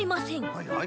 はいはい。